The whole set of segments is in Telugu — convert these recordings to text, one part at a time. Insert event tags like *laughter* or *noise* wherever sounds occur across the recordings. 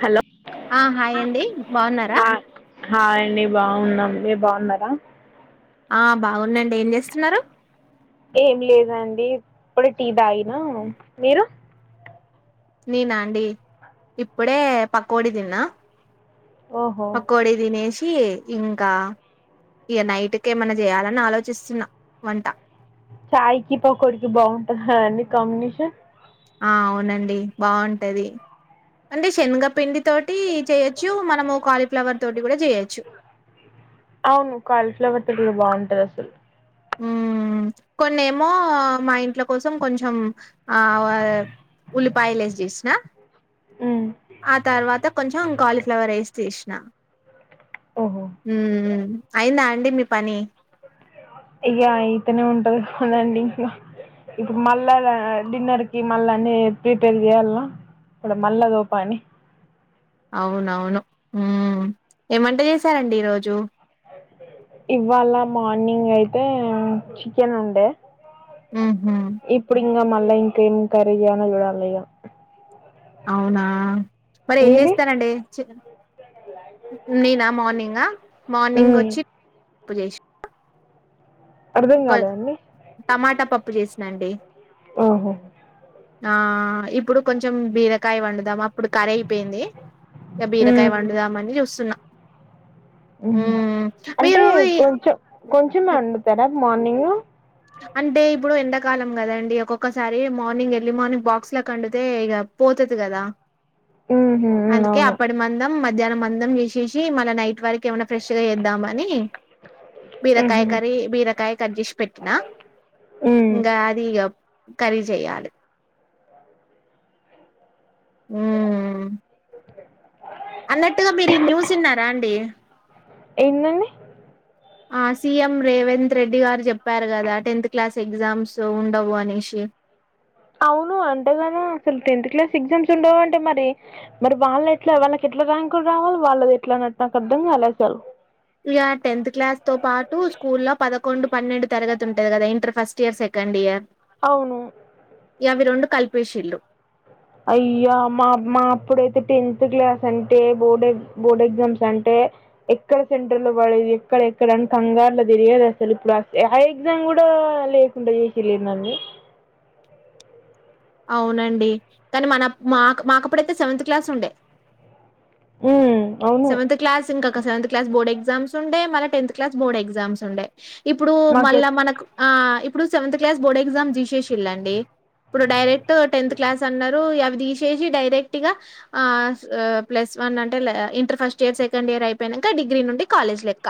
హలో ఆ హాయ్ అండి బాగున్నారా ఆ హాయ్ అండి బాగున్నాం మీరు బాగున్నారా ఆ బాగుందండి ఏం చేస్తున్నారు ఏం లేదండి ఇప్పుడు టీ తాగిన మీరు నేనాండి ఇప్పుడే పకోడి తిన్నా ఓహో పకోడీ తినేసి ఇంకా ఇక నైట్క ఏమన్నా చేయాలని ఆలోచిస్తున్నా వంట చాయ్ కి పకోడి కి బాగుంటది కదండీ కాంబినేషన్ ఆ అవునండి బాగుంటది అంటే శనగపిండి తోటి చేయొచ్చు మనము కాలీఫ్లవర్ తోటి కూడా చేయొచ్చు అవును కాలీఫ్లవర్ తలు బాగుంటది అసలు ఉ కొన్నిమో మా ఇంట్ల కోసం కొంచెం ఆ ఉల్లిపాయలు ఏసీ చేసిన ఉమ్ ఆ తర్వాత కొంచెం కాలీఫ్లవర్ ఏసీ తీసిన ఓహో ఉ అయిందా అండి మీ పని అయ్యా ఇతనే ఉంటదు అదండి *inaudible* ఇక మళ్ళా డిన్నర్ కి మళ్ళా అని ప్రిపేర్ చెయాల ఇప్పుడ మల్ల ఏదో పని అవునవును ఏం వంట చేసారండి ఈరోజు ఇవాళ మార్నింగ్ అయితే చికెన్ ఉండే ఆహ ఇగ మల్ల ఇంకం కర్రీ చేయాలో చూడాలి ఇగ అవునా మరి ఏం చేస్తరాండి నేనా మార్నింగా మార్నింగ్ ఉమ్ వచ్చి *unintelligible* అర్ధం *unintelligible* కాలేదండి టమాటా పప్పు చేసినాండి ఓహో ఆ ఇప్పుడు కొంచెం బీరకాయ వండుదామా ఇప్పుడు కర్రీ అయిపోయింది ఇగ ఉమ్ బీరకాయ వండుదామని చూస్తున్నా మ్మ్ హ్ హ్మ్. అంటే మీరు ఈ కొంచం కొంచమే వండుతారా మార్నింగు అంటే ఇప్పుడు ఎండా కాలం కదండి ఒక్కొక్కసారి మార్నింగ్ ఎర్లీ మార్నింగ్ బాక్స్ లకు వండుతే ఇక పోతది కదా ఉహు ఉమ్, అందుకే అవును అప్పటి మందం మధ్యాహ్నం మందం చేసేసి మళ్ళ నైట్ వర కి ఏమన్నా ఫ్రెష్ గా చేద్దాం అని బీరకాయ ఉహు కర్రి బీరకాయ కట్ చేసి పెట్ నా ఉమ్ ఇంగ అదిగ కర్రీ జేయాలి ఉమ్ అన్నట్టుగా మీరు ఈ న్యూస్ విన్నారా అండి ఏందండి ఆ సీఎం రేవంత్ రెడ్డి గారు చెప్పారు కదా టెన్త్ క్లాస్ ఎగ్జామ్స్ ఉండవు అనేసి, అవును అంటేగాను అసలు టెన్త్ క్లాస్ ఎగ్జామ్స్ ఉండవు అంటే మరి, మరి వాళ్ళు ఎట్లా వాళ్ళకి ఎట్లా ర్యాంకులు రావాలి వాళ్ళది ఎట్లానో నాకు అర్థం కాలే అస్సలు ఇగ టెన్త్ క్లాస్ తో పాటు స్కూల్లో పదకొండు పన్నెండు తరగతి ఉంటది కదా ఇర్ ఫస్ట్ ఇయర్ సెకండ్ ఇయర్ అవును అవి రెండు కలిపేసిండు అయ్యా మా మా అప్పుడైతే టెన్త్ క్లాస్ అంటే బోర్డు బోర్డ్ ఎగ్జామ్స్ అంటే ఎక్కడ సెంటర్ లో పడేది ఎక్కడ ఎక్కడని కంగారు లో తిరిగేది అసలు ఇప్పుడు ఆ ఎగ్జామ్ కూడా అవి కూడా లేకుండా చేసిళ్ళు ఏందండి అవునండి కానీ మన మా మాకప్పుడయితే సెవెంత్ క్లాస్ ఉండే ఊ సెవంత్ క్లాస్ ఇంకా ఒక సెవంత్ క్లా బోర్డ్ ఎగ్జామ్స్ ఉండే మళ్లీ టెన్త్ క్లాస్ బోర్డ్ ఎగ్జామ్స్ ఉండే ఇప్పుడు మళ్ళా మాకు మనకు ఆ ఇప్పుడు సెవెంత్ క్లాస్ బోర్డ్ ఎగ్జామ్ తీసేసిల్ళండి ఇప్పుడు డైరెక్ట్ టెన్త్ క్లాస్ అన్నారు తీసేసి డైరెక్టగా ఆ అసలు ఆ ప్లస్ వన్ అంటారు ఫస్ట్ ఇయర్ సెకండ్ ఇయర్ అయిపోయినాక డిగ్రీ నుండి కాలేజ్ లెక్క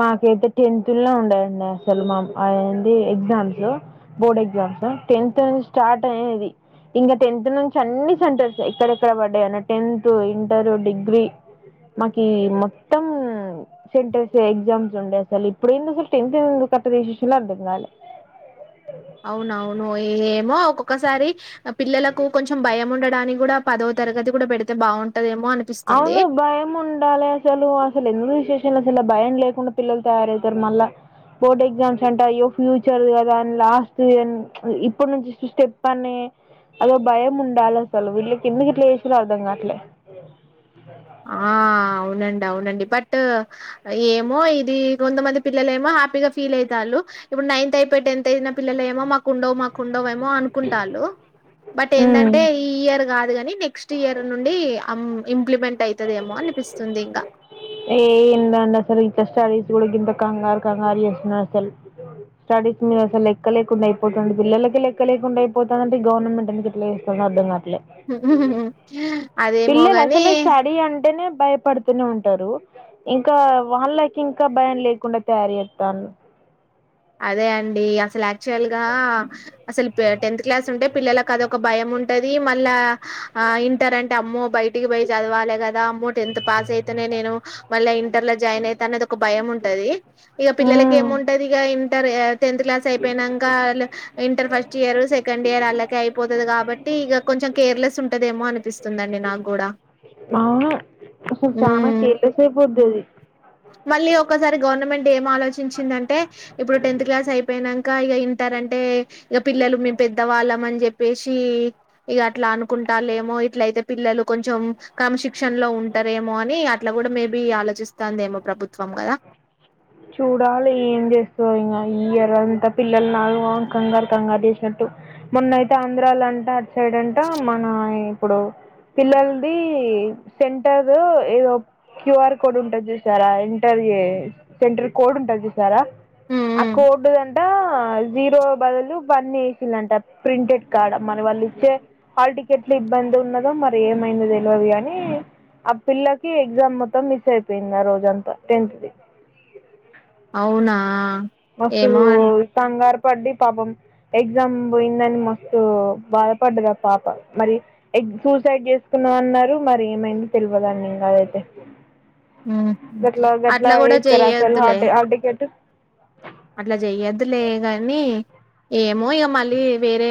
మాకైతే టెన్త్ లో ఉండేవండి అసలు మా అ ఏంది ఎగ్జామ్స్ బోర్డ్ ఎ ఎగ్జామ్స్ టెన్త్ నుంచి స్టార్ట్ అయ్యింది ఇంకా టెన్త్ నుంచి అన్ని సెంటర్సే ఎక్కడెక్కడ పడ్డాయన్న టెన్త్ ఇంటరు డిగ్రీ మాకి మొత్తం సెంటెర్ ఎగ్జామ్స్ ఉండే అసలు ఇప్పుడు ఏంది అస టెన్త్ ఏ కట్ట చేసిల్లొ అర్ధం కాలే ఒకసారి పిల్లలకు కొంచెం భయం ఉండడానికి కూడా పదో తరగతి కూడా పెడితే బాగుంటు అవును భయం ఉండాలి అసలు అసలు ఎందుకు తీసేసిల్లు అసలు భయం లేకుండా పిల్లలు తయారవుతారు మళ్ళా బోర్డ్ ఎగ్జామ్స్ అంట అయ్యో ఫ్యూచర్ కదా అని లాస్ట్ ఇప్పడు నుంచి ఇ స్టెప్ అని అదొ భయం ఉండాలె అసలు వీళ్ళకి ఎందుకు ఇట్లా చేసిల్లు అర్థం గాట్లే ఆ అవునండి అవునండి బట్ ఏమో ఇది కొంతమంది పిల్లలు ఏమో హ్యాపీగా ఫీల్ ఐతాల్లు ఇప్పుడు నైన్త్ అయిపో టెన్త్ అయిన పిల్లలు ఏమో మాకుండవు మాకుం డవు ఏమో అనుకుంటాళ్లు బట్ ఉమ్ ఎందంటే ఈ ఇయర్ కాదు గానీ నె నెక్స్ట్ ఇయర్ నుండి అం ఇంప్లిమెంట్ అయితదేమో అనిపిస్తుంది ఇంకా ఏ ఎందండి అసలు *unintelligible* గింత కంగారు కంగారు చేస్తున్నారు అసలు స్టడీస్ మీరు అసలు లెక్క లేకుండా అయిపోతంది. పిల్లలకి లెక్క లేకుండా అయిపోతంది. అంటే ఈ గవర్నమెంట్ ఎందుకు ఇట్లా చేస్తాందో అర్థం కావ అదేమో పిల్లలు గాని అసలు స్టడీ అంటేనే భయపడుతూనే ఉంటారు ఇంకా వాళ్ళకి ఇంకా భయం లేకుండా తయారు ఎత్తాన్లు అదే అండి అసలు అ యాక్చువల్ గా అసలు ప టెన్త్ క్లాస్ ఉంటే పిల్లలకు అదొక భయం ఉంటది మళ్ళా ఆ ఇంటర్ అంటే అమ్మో బయటికి పోయి చదవాలి కదా అమ్మో టెన్త్ పాస్ అయితేనే నేను మళ్ళ ఇంటర్ లో జాయిన్ అయిత అన్నది ఒక భయం ఉంటది. ఇగ పిల్లలకి ఏము ఉంటది ఇగ ఇంటర్ ఏ టెన్త్ క్లాస్ అయిపోయినంక inter first year second year అళ్ళకే అయిపోతది కాబట్టి ఇక కొం కొంచెం కేర్లెస్ ఉంటదేమో అనిపిస్తుందండి నాకు కూడా అవును అసలు చానా ఉమ్. కేర్లెస్ అయిపోద్దది. మళ్ళీ ఒకసారి గవర్నమెంట్ ఏం ఆలోచించిందంటే ఇప్పుడు టెన్త్ క్లాస్ అయిపోయినంక ఇగ ఇంటర్ అంటే ఇగ పిల్లలు మేం పెద్దవాళ్ళం అని చెప్పి పేషీ ఇగ అట్లా అనుకుంటలేేమో ఇట్లయితే పిల్లలు కొంచెం క్రమశిక్షణ లో ఉంటారేమో అని అట్లా కూడా మేబి ఆలోచిస్తుందమో ప్రభుత్వం కదా చూడాలి ఏం చేస్తదొ ఇంగ ఈ ఇయర్ అంతా పిల్లలు ను ఆగం ఆగం కంగారు కంగారు చేసినట్టు మొన్నయితే ఆంధ్రాల అంట అట్సైడంట మన ఇప్పుడు పిల్లలది సెంటర్ ఏదో క్యూఆర్ కోడ్ ఉంటంది చూసారా ఇంటర్ సెంటర్ కోడ్ ఉంటంది జూసారా ఆ కోడ్ అంటా జీరో బదులు వన్ వేషీలాంట ప్రింటెడ్ కార్డ మరి వాళ్ళు ఇచ్చే హల్ టికెట్ లో ఇబ్బంది ఉన్నదో మరి ఏమైంది తెలువదు కాని ఆ పిల్లకి ఎగ్జామ్ మొత్తం మిస్ అయిపోయింది ఆ రోజంతా టెన్త్ ది అవునా మస్తు ఏమో అన్ కంగార్ పడ్ది పాపం ఎగ్జామ్ పోయిందని మస్తు బాధపడ్డదా పాప మరి ఏ సూసైడ్ చేసుకున్నాది అన్నారు మరి ఏమైంది తెలివదన్నిం అదైతే ఉహుం గట్లా గట్లా అట్లా కూడా చేస్తారు అసలు చెయ్యద్దులే హాల్ హాల్ టికెట్ అట్లా చెయ్యొద్దులే కానీ ఏమో ఇగ మళ్ళీ వేరే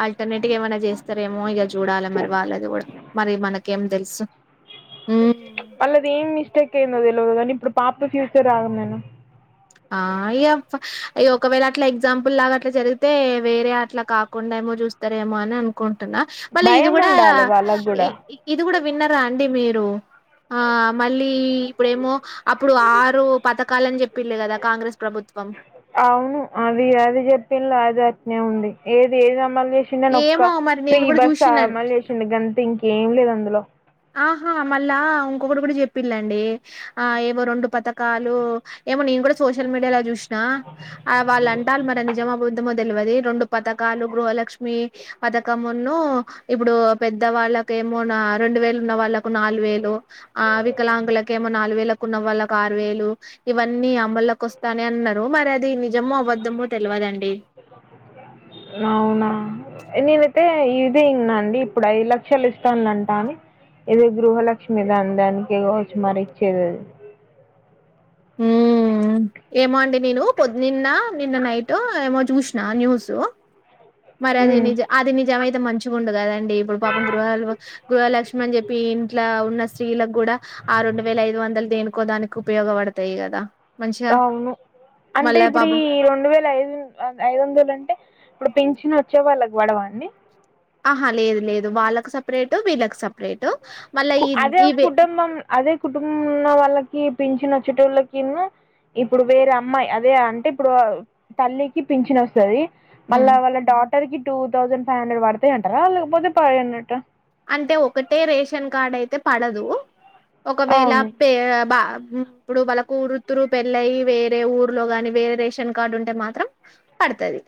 అ ఇంటర్నెట్గా ఏమైనా చేస్తారేమో ఇలా చూడాలా మరి వాళ్ళది కూడా మరి మనక్ ఇంకేం తెలుసు వాళ్ళది ఏం మిస్టేక్ అయిందో తెలివదు కానీ ఇప్పుడు పాప ఫ్యూచర్ ఆగమేనా ఆ అయ్యప్ప ఇగ ఒకవేళ అట్లా ఎగ్జాంపుల్ లాగా అట్లా జరిగితే వేరే అట్లా కాకుండా ఏమో చూస్తారేమో అని అనుకో తన్నా మళ్ళీ ఇది భయం కూడా ఉండాలి వాళ్ళకు కూడా ఇది కూడా విన్నరా అండి మీరు ఆ మళ్ళీ ఇప్పుడేమో అప్పుడు ఆరు పథకాలని చెప్పిళ్ళు కదా అవును అది అది చెప్పిన్లు అది అట్నే ఉంది ఏది ఏదమ్ మళ్ళ ఎషిండు అని ఏమో ఒక్క మరి ఫ్రీ నేను గూడా బస్ జూషినన్ మళ్ళ ఎషిండు గంత ఇంకేం లేదు అందులో ఆహా మళ్ళా ఇంకొకటి కూడా చెప్పిల్లండి. ఆ ఏవో రెండు పతకాలు ఏమో నేను కూడా సోషల్ మీడియాలో చూసినా ఆ వాళ్ళు అంటారు మరి నిజమా అబద్దమా తెలివది రెండు పథకాలు గృహలక్ష్మి పథకమున్ను ఇప్పుడు పెద్దవాళ్ళకే మోనా రెండు వేల్ ఉన్న వాళ్ళకు నాలు వేలు ఆ వికలాంగుకు ఏమో నాలు వేలకు ఉన్న వాళ్ళకు ఆరు వేలు ఇవాన్ నీ అమ్మల్లోకి వస్తానే అన్నారు మరి అది నిజమో అబద్దమో తెలియదండి. అవునా నేనైతే ఇదే ఇన్నా అండి. ఇప్పుడు ఐదు లక్షలు ఇస్తాండట అని ఏదో గృహలక్ష్మి దాన్ దాన్ దానికే గవాచ్చు మరి ఉమ్ మ్ ఏమో అండి నేను పొద్ నిన్న నిన్న నైట్ ఏమో చూసిన న్యూసు మరి అది హ్మ్ నిజ అది నిజం అయితే మంచిగా ఉండు కదండి. ఇప్పుడు పాపం గృహాలు గృహలక్ష్మి అని చెప్పి ఇంట్లో ఉన్న స్త్రీలకు కూడా ఆ రెండు వేల ఐదు వందలు దేనుకోదానికి ఉపయోగపడతాయి కదా మంచిగా అవును అంటే మళ్ళా ఇప్పుడు ఈ పాపం రెండు వేల ఐదు ఐదు వందలు అంటే ఇప్పుడు పించిన వచ్చే వాళ్ళకి పడవండి. ఆహా లేదు లేదు, వాళ్ళకు సప్రేటు, వీళ్ళకు సప్రేటు. కు అదే కుటుంబం, అదే కుటుంబం ఉన్న వాళ్ళకి పిన్చిన్ అచ్చేటోళ్లకి ఉన్ను. ఇప్పుడు వేరే అమ్మాయి, అదే అంటే ఇప్పుడు ఆ తల్లికి పించిన్ ఓస్తాది. మళ్ళ హ్మ్ వాళ్ళ డాటర్, కి టూ థౌజండ్ ఫైవ్ హండ్రెడ్ పడ్తాయి అంటారా, లేకపోతే పడయి అన్నట్ట. అంటే ఒకటే రేషన్ కార్డ్ అయితే పడదు. ఒకవేళ అవును పే బ, ఇప్పుడు వాళ్ళ కూరుతురు పెళ్ళయి వేరే ఊర్లో గాని, వేరే రేషన్ కార్డు ఉంటే మాత్రం పడ్ తది.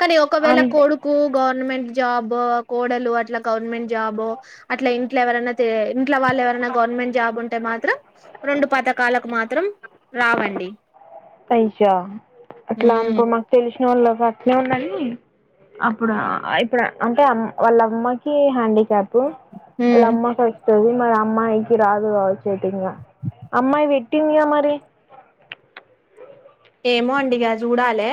కానీ ఒకవేళ అంతే కొడుకు గవర్నమెంట్ జాబ్, కోడలు అట్లా గవర్నమెంట్, జాబో, అట్లా ఇంట్లో ఎవరన్న, తే, ఇంట్లో వాళ్ళు ఎవరన్నా గవర్నమెంట్ జాబ్ ఉంటే మాత్రం, రెండు పథకాలకు మాత్రం రావండి. పైషా. అట్లా ఉమ్ అంటే మాక్ తెలిసినోళ్ళకు ఏముందండి అప్పుడ, ఇప్పుడ అంటే ఆమ్, వాళ్ళ అమ్మకి హ్యాండీక్యాప్. పు, వాళ్ళమ్మ కై అదే మరి, అమ్మాయికి రాదుగా గావచ్చు అయితే ఇంగ. అమ్మాయి వెట్టిందిగా మరి. ఏమో అండి ఇగ జూడాలే.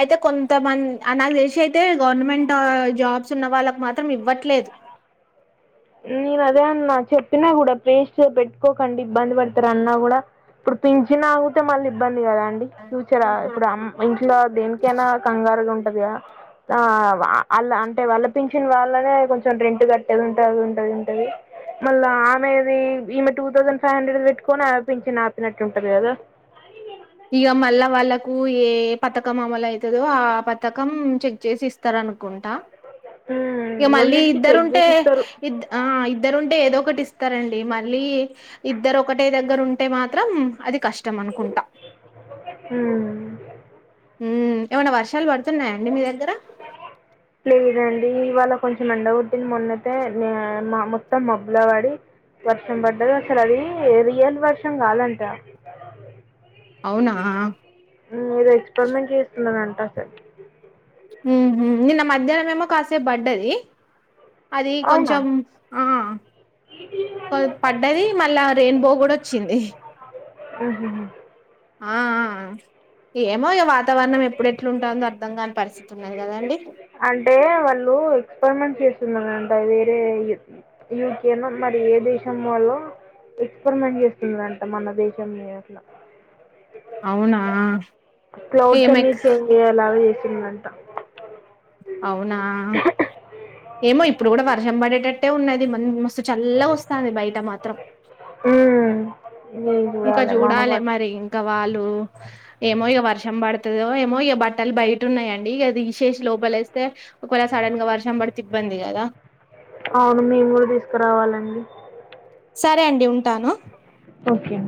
అయితే కొంతమంద్, ఆ నాకు దేలీషి అయితే గవర్నమెంటో జాబ్స్ ఉన్న వాళ్ళకు మాత్రం ఇవ్వట్లేదు. నేను అదే అన్నా చెప్పినా గుడా, ప్రేస్ట్ గా పెట్టుకోకండి ఇబ్బంది పడ్తారు అన్నా గుడా, ఇప్పుడు పించిన్ ఆగితే మళ్ళీ ఇబ్బంది కదా అండి. ఫ్యూచర్ ఆ ఇప్పుడు ఆమ్ ఇంట్లో దేనికైనా కంగ రుగా ఉంటది గదా. ఆ వా ఆ ఆళ్ల అంటే వాళ్ళ పించిన్ వాళ్ళనే, కొంచెం రెంట్ కట్టేద్ ఉం టా ఉంటది, ఉంటది. మళ్ళా ఆమెది ఈమె టూ థౌసండ్ ఫైవ్ హండ్రెడ్ బేట్టుకొని, ఆమె పించిన్ ఆపినట్టు ఉంటది గదా. ఇగ మళ్ళ వాళ్ళకు ఏ పథకం అమల్ అయితదో, ఆ పతకం చెక్ చేసి ఇస్తారు అనుకున్ కుంటా. ఇగా మళ్ళీ రెండింటికి చెక్ ఇద్దరుంటే, చేసిస్తారు ఇద్ ఆ ఇద్దరుంటే ఏదో ఒకటి ఇస్త్ తరండి. మళ్ళీ ఇద్దరు ఒకటే దగ్గర ఉంటే మాత్రం, అది కష్టం అనుకుంటా. ఉమ్మ్. ఉమ్, ఏమన్న వర్షాలు పడ్తున్నాయాండి మీ దగ్గర? ఏ ఇవాళ్ళ కొంచెం ఎండగోట్టింది. మొన్నతే మ్యా మా మొత్తం మబ్బుల వడి, వర్షం పడ్డది, అసల్ అది రియల్ వర్షం కాదంట. అవునా. ఏదో ఎక్స్పరిమెంట్ చేస్తున్నరాంట, అసల్ కి. ఉహు. నిన్న మధ్యాహ్నం ఏమో కాసేపు బడ్డది. అది అవునా కొంచెం, కొల్ పడ్డది. మళ్ళా రెయిన్బో గుడా ఓచ్చింది. ఉ హు హు. ఆ ఆ ఆ ఏమో ఇగ, వాతావరణం ఎప్పుడెట్లా ఉంటదో అర్ధం కాని పరిస్థితి ఉన్నది కదండి. అంటే వాళ్ళు ఎక్స్పరిమెంట్ చేస్తున్నారాంట. వేరే యు యూకే నో మర్, ఏ దేశం వాళ్ళో ఎక్స్పరిమెంట్ చేస్తుందట, మన దేశం మీద అట్లా. అవునా. క్లౌడ్స్ అన్ని ఏమెక్ చేంజ్ అయ్యేలాగ ఏసిందంట. అవునా. ఏమో ఇప్పుడు గుడా వర్షం పడేటట్టే ఉన్నది. మన్ మస్తు చల్ల ఓస్తాంది బయట మాత్రం. ఉమ్మ్. ఇంకా జూడాలే మరి, ఇంక వాళ్ళు, ఏమో ఇగా వర్షం పడ్తదో ఏమో, ఇగా బట్టలు బయట ఉన్నాయండి. ఇగా దిషెషి లోపలేస్తే, ఒకవేళ సడన్ గా వర్షం బడ్తే, ఇబ్బంది కదా. అవును మేము కూడా తీసుకురావాలండి సరే అండి ఉంటాను. ఓకే.